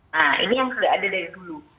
nah ini yang sudah ada dari dulu